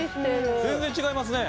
全然違いますね。